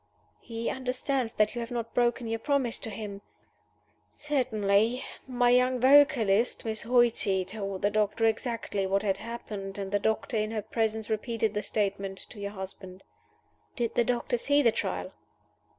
"He understands that you have not broken your promise to him?" "Certainly. My young vocalist (Miss Hoighty) told the doctor exactly what had happened; and the doctor in her presence repeated the statement to your husband." "Did the doctor see the Trial?"